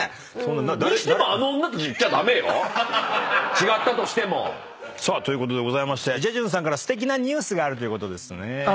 違ったとしても。ということでございましてジェジュンさんからすてきなニュースがあるということですね。